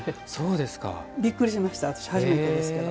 びっくりしました私、初めてですけど。